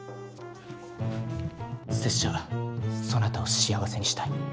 拙者そなたを幸せにしたい。